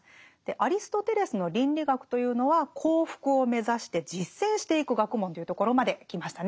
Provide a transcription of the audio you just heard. アリストテレスの倫理学というのは幸福を目指して実践していく学問というところまで来ましたね。